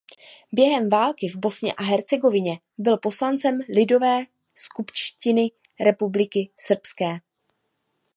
Během války v Bosně a Hercegovině byl poslancem Lidové skupštiny Republiky srbské.